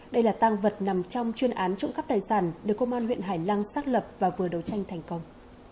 đây là tang vật nằm trong chuyên án trộm cắp tài sản được công an huyện hải lăng xác lập và vừa đấu tranh thành công